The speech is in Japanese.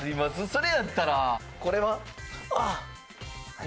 それやったらこれは？ああ！